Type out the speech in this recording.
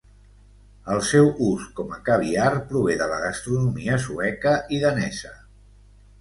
El seu ús com a caviar prové de la gastronomia sueca i danesa.